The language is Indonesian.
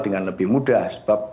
dengan lebih mudah sebab